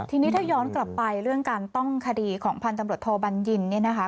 ทีนี้ถ้าย้อนกลับไปเรื่องการต้องคดีของพันธุ์ตำรวจโทบัญญินเนี่ยนะคะ